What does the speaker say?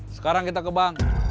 sekarang kita ke bank